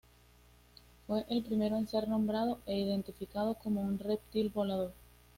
Fue el primero en ser nombrado e identificado como un reptil volador.